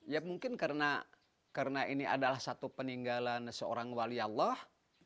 ya mungkin karena ini adalah satu peninggalan seorang walialoh